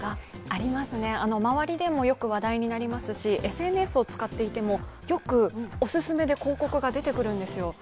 ありますね、周りでもよく話題になりますし、ＳＮＳを使っていてもよくオススメで広告が出てくるんですよ。